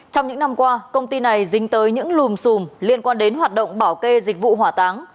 trong những năm qua công ty này dính tới những lùm xùm liên quan đến hoạt động bảo kê dịch vụ hỏa táng